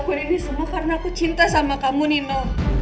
aku ngelakuin ini semua karena aku cinta sama kamu nino